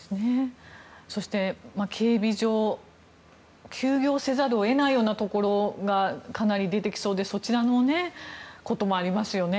そして、警備上休業せざるを得ないようなところがかなり出てきそうでそちらのこともありますよね。